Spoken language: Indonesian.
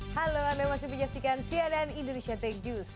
halo saya masyid b jessica ansia dan indonesia tech news